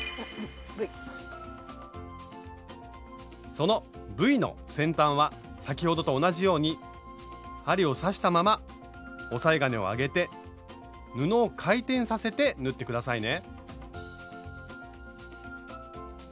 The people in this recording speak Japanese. そのＶの先端は先ほどと同じように針を刺したまま押さえ金を上げて布を回転させて縫って下さいね。